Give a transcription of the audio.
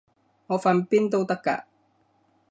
我瞓邊都得㗎